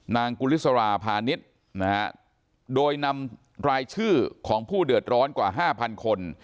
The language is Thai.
นางกุฤษราพาณิชย์โดยนำรายชื่อของผู้เดือดร้อนกว่า๕๐๐๐คน